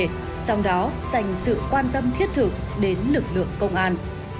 trong đó dành sự quan tâm thiết thực đến lực lượng công an